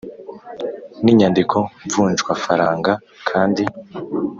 n inyandiko mvunjwafaranga kandi